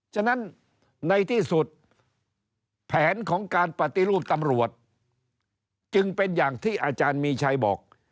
ฉะนั้นในที่สุดแผนของการปฏิรูปตำรวจจึงเป็นอย่างที่อาจารย์มีชัยบอก